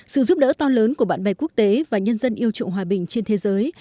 sự giúp đỡ to lớn của bạn bè quốc tế và nhân dân yêu trụng hòa bình trên thế giới